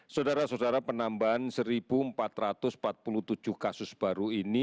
saudara saudara penambahan satu empat ratus empat puluh tujuh kasus baru ini